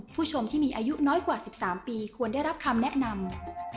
ผู้ชมที่มีอายุน้อยกว่า๑๓ปีควรได้รับคำแนะนำ